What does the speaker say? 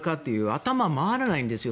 頭、回らないんですよ